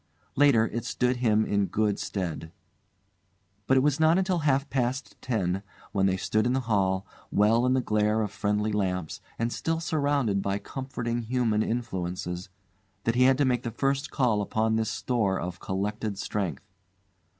Later, it stood him in good stead. But it was not until half past ten, when they stood in the hall, well in the glare of friendly lamps and still surrounded by comforting human influences, that he had to make the first call upon this store of collected strength.